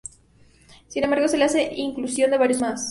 Sin embargo, se hace la inclusión de varios más.